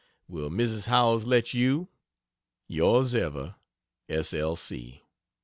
Will Mrs. Howells let you? Yrs ever, S. L. C.